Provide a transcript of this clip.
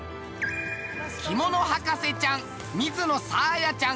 着物博士ちゃん水野さあやちゃん